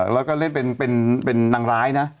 แล้วก็เล่นเป็นนางร้ายนะ